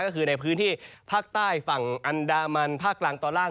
ก็คือในพื้นที่ภาคใต้ฝั่งอันดามันภาคกลางตอนล่าง